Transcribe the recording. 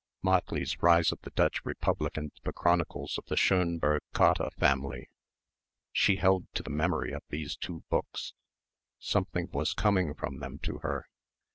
Motley's Rise of the Dutch Republic and the Chronicles of the Schönberg Cotta family. She held to the memory of these two books. Something was coming from them to her.